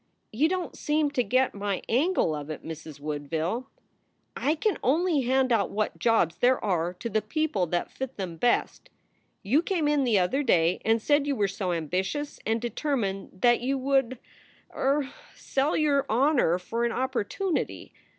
"You don t seem to get my angle of it, Mrs. Woodville. I can only hand out what jobs there are to the people that fit them best. You came in the other day and said you were so ambitious and determined that you would er sell your 210 SOULS FOR SALE honor for an opportunity.